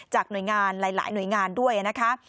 หน่วยงานหลายหน่วยงานด้วยนะคะ